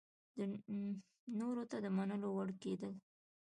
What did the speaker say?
نورو ته د منلو وړ کېدل